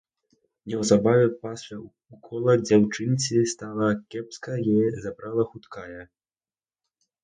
Неўзабаве пасля ўкола дзяўчынцы стала кепска, яе забрала хуткая.